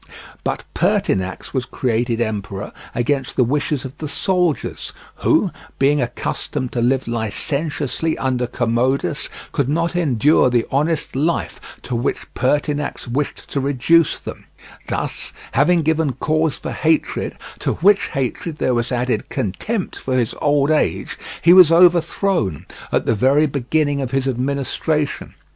But Pertinax was created emperor against the wishes of the soldiers, who, being accustomed to live licentiously under Commodus, could not endure the honest life to which Pertinax wished to reduce them; thus, having given cause for hatred, to which hatred there was added contempt for his old age, he was overthrown at the very beginning of his administration.